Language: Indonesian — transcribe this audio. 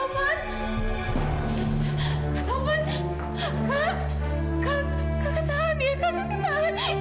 kak kakak tahan ya kakak kakak tahan